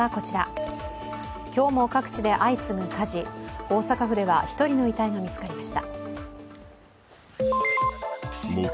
今日も各地で相次ぐ火事、大阪府では１人の遺体が見つかりました。